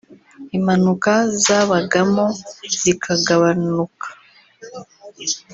impanuka zabagamo zikagabanuka